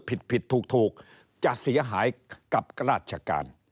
ผิดผิดถูกจะเสียหายกับราชการ